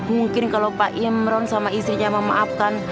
mungkin kalau pak imron sama istrinya memaafkan